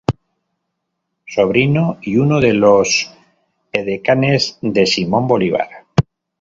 Sobrino y uno de los edecanes de Simón Bolívar.